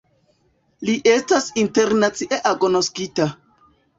Li estas internacie agnoskita.